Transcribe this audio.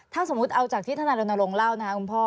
ถ้าสมมุติเอาจากที่ธนายรณรงค์เล่านะครับคุณพ่อ